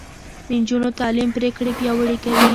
د نجونو تعليم پرېکړې پياوړې کوي.